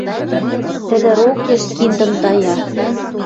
Тӹдӹ рокеш киндӹм тая